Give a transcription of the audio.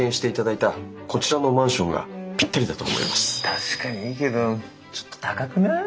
確かにいいけどちょっと高くない？